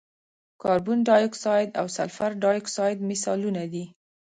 کاربن ډای اکسایډ او سلفر ډای اکساید مثالونه دي.